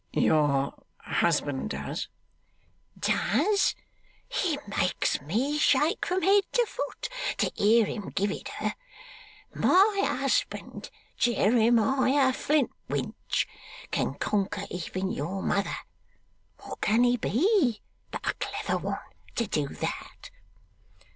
'Your husband does?' 'Does? It makes me shake from head to foot, to hear him give it her. My husband, Jeremiah Flintwinch, can conquer even your mother. What can he be but a clever one to do that!